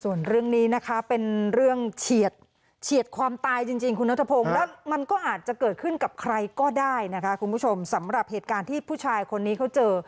ส่วนเรื่องนี้นะคะเป็นเรื่องเฉียดความตายจริงคุณนัทพงศ์แล้วมันก็อาจจะเกิดขึ้นกับใครก็ได้นะคะคุณผู้ชมสำหรับเหตุการณ์ที่ผู้ชายคนนี้เขาเจอ